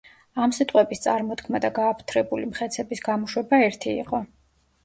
ამ სიტყვების წარმოთქმა და გააფთრებული მხეცების გამოშვება ერთი იყო.